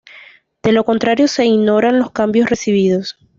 De lo contrario se ignoran los cambios recibidos.